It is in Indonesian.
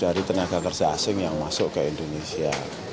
jadi kita harus memperbaiki perusahaan perusahaan yang masuk ke indonesia